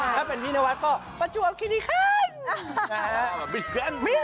ถ้าเป็นพี่นวัดก็ประจวบคิริคัน